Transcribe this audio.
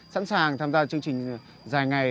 sẵn sàng tham gia chương trình dài ngày